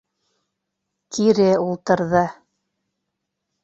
Кире ултырҙы.